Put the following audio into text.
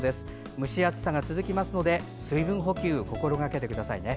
蒸し暑さが続きますので水分補給を心がけてください。